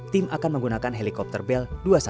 tim akan menggunakan helikopter bel dua ratus dua belas